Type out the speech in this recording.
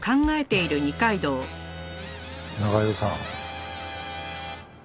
仲井戸さん。